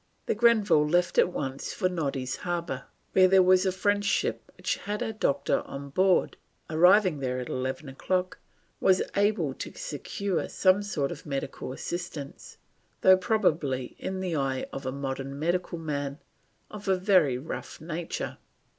The Grenville left at once for Noddy's Harbour, where there was a French ship which had a doctor on board, arriving there at eleven o'clock, was able to secure some sort of medical assistance, though probably in the eye of a modern medical man, of a very rough nature.